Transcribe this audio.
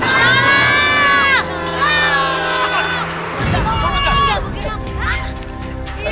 gapapa gak buka